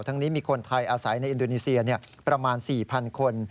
นี้มีคนไทยอาศัยในอินโดนีเซียประมาณ๔๐๐คน